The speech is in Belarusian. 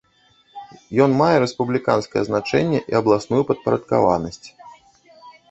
Ён мае рэспубліканскае значэнне і абласную падпарадкаванасць.